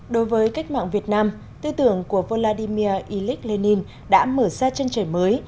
đối với cách mạng việt nam tư tưởng của vladimir ilyich lenin đã mở ra chân trời mới